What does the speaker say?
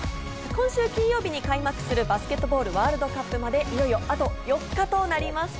今週金曜日に開幕するバスケットボールワールドカップまで、いよいよあと４日となりました。